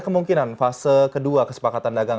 kemungkinan fase kedua kesepakatan dagang